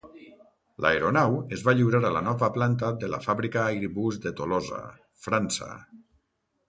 L'aeronau es va lliurar a la nova planta de la fàbrica Airbus de Tolosa, França.